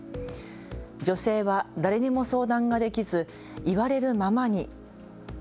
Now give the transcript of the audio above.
女性は誰にも相談ができず言われるままに。